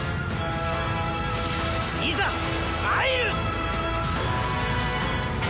いざ参る！